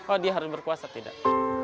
oh dia harus berkuasa tidak